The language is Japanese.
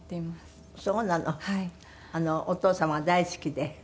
お父様が大好きで。